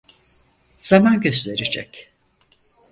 Zaman gösterecek…